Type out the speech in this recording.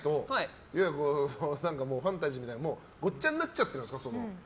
現実世界とファンタジーみたいなごっちゃになっちゃってるんですか？